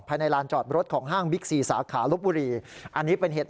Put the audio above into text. ภายในลานจอดรถของห้างบิ๊กซีสาขาลบบุรีอันนี้เป็นเหตุ